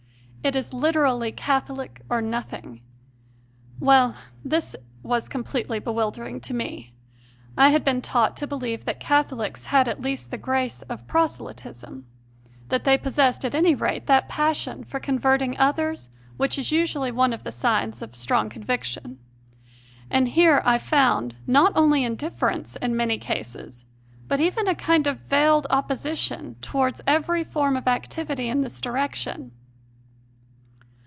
It is literally Catholic, or nothing. Well, this was completely bewildering to me. I had been taught to believe that Catholics had at least the grace of Proselytism; that they possessed, at any rate, that passion for converting others which is usually one of the signs of strong conviction. And here I found, not only indifference in many cases, but even a kind of veiled opposition towards every form of activity in this direction.